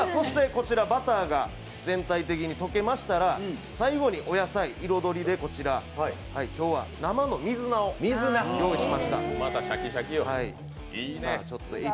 こちらバターが全体的に溶けましたら最後にお野菜、彩りでこちら、今日は生の水菜を用意しました。